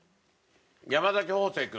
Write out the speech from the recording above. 山崎邦正君。